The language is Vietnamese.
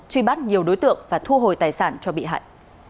truy bắt nhiều đối tượng và thu hồi tài sản cho bị hại